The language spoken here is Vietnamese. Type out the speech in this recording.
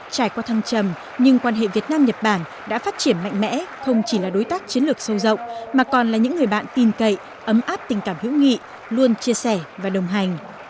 trải qua thăng trầm nhưng quan hệ việt nam nhật bản đã phát triển mạnh mẽ không chỉ là đối tác chiến lược sâu rộng mà còn là những người bạn tin cậy ấm áp tình cảm hữu nghị luôn chia sẻ và đồng hành